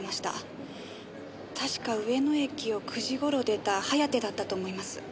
確か上野駅を９時頃出たはやてだったと思います。